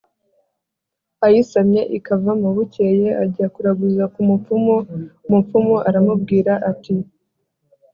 ayisamye ikavamo. bukeye ajya kuraguza ku mupfumu, umupfumu aramubwira ati: